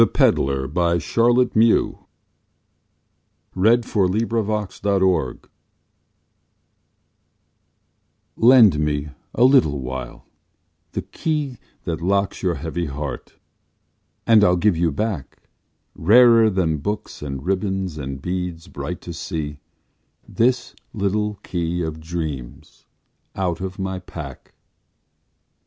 K L . M N . O P . Q R . S T . U V . W X . Y Z The Peddler LEND me, a little while, the key That locks your heavy heart, and I'll give you back Rarer than books and ribbons and beads bright to see, This little Key of Dreams out of my pack.